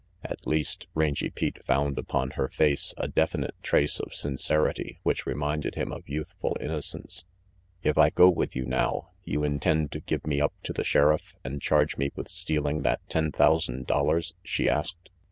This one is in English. At least, Rangy Pete found upon her face a definite trace of sincerity which reminded him of youthful innocence. "If I go with you now, you intend to give me up to the sheriff and charge me with stealing that ten thousand dollars?" she asked.